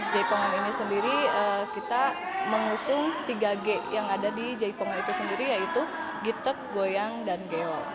jaipongan ini sendiri kita mengusung tiga g yang ada di jaipongan itu sendiri yaitu gitek goyang dan geol